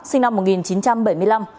sinh năm một nghìn chín trăm bảy mươi năm